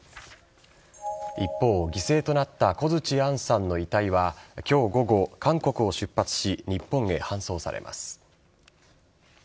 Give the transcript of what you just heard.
一方、犠牲となった小槌杏さんの遺体は今日午後、韓国を出発し日本へ搬送されます。